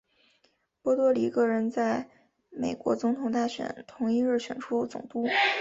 波多黎各人在美国总统大选同一日选出总督。